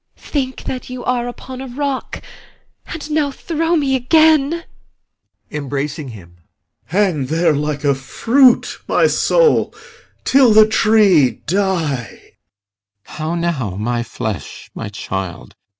Think that you are upon a rock, and now Throw me again. [Embracing him] POSTHUMUS. Hang there like fruit, my soul, Till the tree die! CYMBELINE. How now, my flesh? my child?